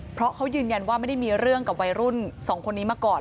เพราะเขายืนยันว่าไม่ได้มีเรื่องกับวัยรุ่นสองคนนี้มาก่อน